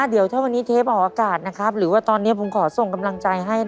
เมื่อเทปออกอากาศหรือว่าตอนนี้ผมขอส่งกำลังใจให้